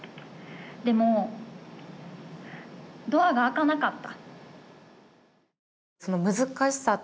でもドアが開かなかった。